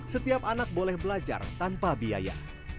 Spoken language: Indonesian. setiap anak boleh belajar tanpa biaya